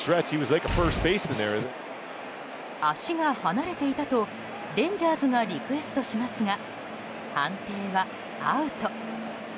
足が離れていたとレンジャーズがリクエストしますが判定は、アウト。